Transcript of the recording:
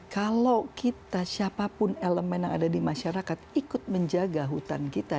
kalau kita siapapun elemen yang ada di masyarakat ikut menjaga hutan kita